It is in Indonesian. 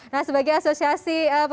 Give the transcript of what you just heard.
nah sebagai asosiasi perusahaan perjalanan